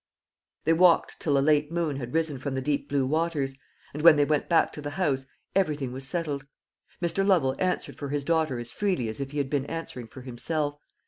They walked till a late moon had risen from the deep blue waters, and when they went back to the house everything was settled. Mr. Lovel answered for his daughter as freely as if he had been answering for himself.